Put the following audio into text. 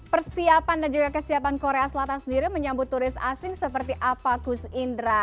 persiapan dan juga kesiapan korea selatan sendiri menyambut turis asing seperti apa kus indra